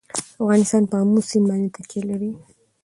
افغانستان په آمو سیند باندې تکیه لري.